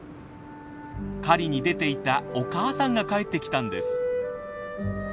狩りに出ていたお母さんが帰ってきたんです。